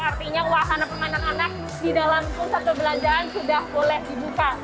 artinya wahana pengamanan anak di dalam pusat perbelanjaan sudah boleh dibuka